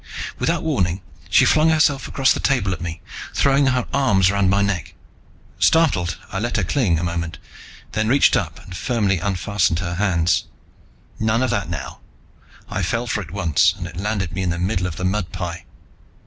Without warning she flung herself across the table at me, throwing her arms round my neck. Startled, I let her cling a moment, then reached up and firmly unfastened her hands. "None of that now. I fell for it once, and it landed me in the middle of the mudpie."